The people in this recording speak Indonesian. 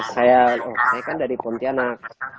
saya kan dari pontianak